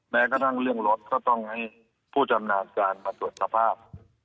แม้กระทั่งเรื่องรถก็ต้องให้ผู้ชำนาญการมาตรวจสภาพ